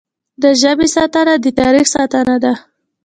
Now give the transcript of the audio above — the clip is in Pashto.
د ژبې ساتنه د تاریخ ساتنه ده.